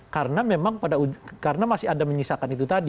karena memang pada ujung karena masih ada menyisakan itu tadi